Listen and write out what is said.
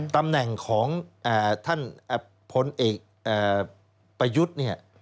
ตำแหน่งของท่านพลเอกประยุทธ์เนี่ย